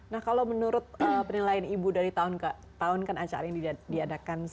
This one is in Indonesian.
nah kalau menurut penilaian ibu dari tahun ke tahun kan acara ini diadakan